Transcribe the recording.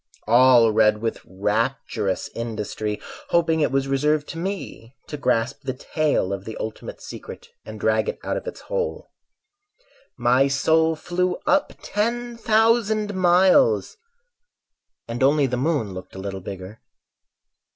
All read with rapturous industry Hoping it was reserved to me To grasp the tail of the ultimate secret, And drag it out of its hole. My soul flew up ten thousand miles And only the moon looked a little bigger.